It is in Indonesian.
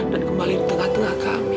dan kembali ke tengah tengah kami